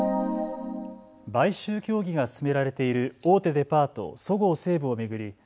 買収協議が進められている大手デパート、そごう・西武を巡り